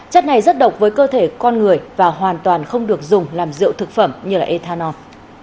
chất này rất độc với cơ thể con người và hoàn toàn không được dùng làm rượu thực phẩm như ethanol